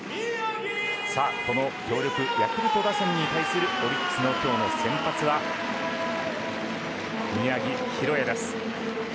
この強力ヤクルト打線に対するオリックスの今日の先発は宮城大弥です。